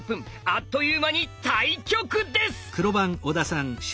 あっという間に対局です！